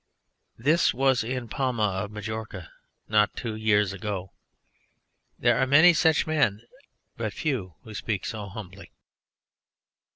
This was in Palma of Majorca not two years ago. There are many such men, but few who speak so humbly.